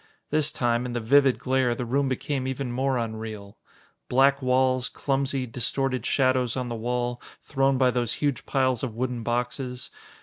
This time, in the vivid glare, the room became even more unreal. Black walls, clumsy, distorted shadows on the wall, thrown by those huge piles of wooden boxes.